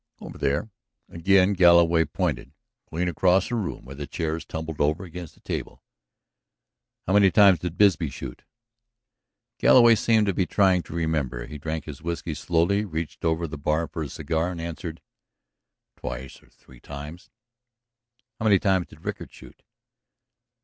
"Over there." Again Galloway pointed. "Clean across the room, where the chair is tumbled over against the table." "How many times did Bisbee shoot?" Galloway seemed to be trying to remember. He drank his whiskey slowly, reached over the bar for a cigar, and answered: "Twice or three times." "How many times did Rickard shoot?"